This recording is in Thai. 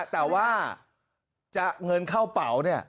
แต่ว่าจะเงินเข้าเป๋าเนี่ย